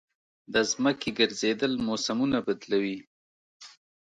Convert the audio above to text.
د ځمکې ګرځېدل موسمونه بدلوي.